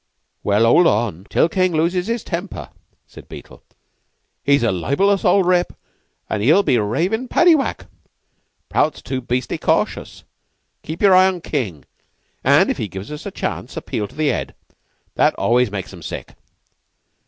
"Well, hold on, till King loses his temper," said Beetle. "He's a libelous old rip, an' he'll be in a ravin' paddy wack. Prout's too beastly cautious. Keep your eye on King, and, if he gives us a chance, appeal to the Head. That always makes 'em sick."